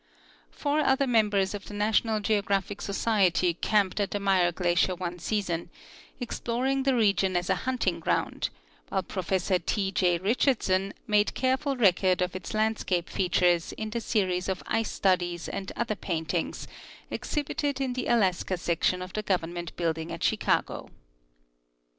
Four other members of the National Geographic Society camped at the Muir glacier one season, exploring the region as a huntiug ground, while Professor T. J. Richardson 176 E. B. Scidmore — Recent Exvlorations in Alaska. made careful record of its landscape features in the series of ice studies and other paintings exhibited in the Alaska section of the Government building at Chicago.